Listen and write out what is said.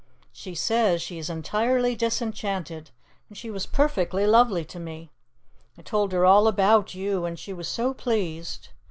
She says she is entirely disenchanted, and she was perfectly lovely to me. I told her all about you, and she was so pleased.